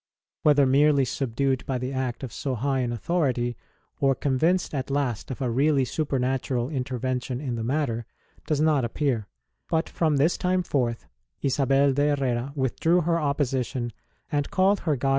Whether merely subdued by the act of so high an authority, or convinced at last of a really super natural intervention in the matter, does not appear; but from this time forth Isabel de Herera withdrew her opposition and called her godchild ST.